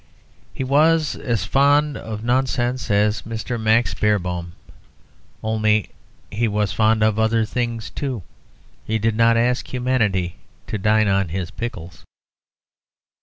He was as fond of nonsense as Mr. Max Beerbohm. Only ... he was fond of other things too. He did not ask humanity to dine on pickles.